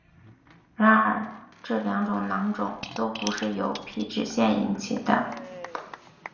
然而这两种囊肿都不是由皮脂腺引起的。